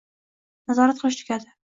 Nazorat qilish tugadi.